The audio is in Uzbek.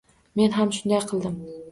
Men ham shunday qildim